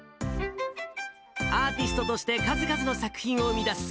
アーティストとして数々の作品を生み出す